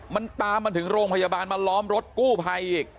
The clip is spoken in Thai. มันตามมันถึงโรงพยาบาลมาล้อมรถกู้ภัยอีก